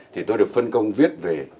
thì tôi được phân công viết về